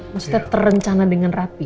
maksudnya terencana dengan rapi